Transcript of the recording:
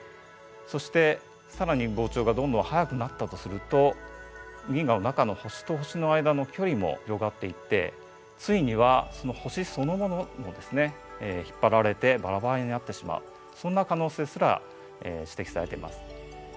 そして更に膨張がどんどん速くなったとすると銀河の中の星と星の間の距離も広がっていってついには星そのものもですね引っ張られてバラバラになってしまうそんな可能性すら指摘されています。